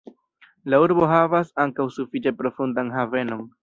La urbo havas ankaŭ sufiĉe profundan havenon.